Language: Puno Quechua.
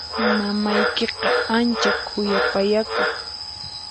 Mamaykiqa ancha khuyapayakuq.